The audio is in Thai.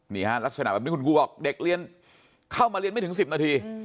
ลักษณะแบบนี้คุณครูบอกเด็กเรียนเข้ามาเรียนไม่ถึง๑๐นาที